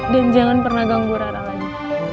dan jangan pernah ganggu rara lagi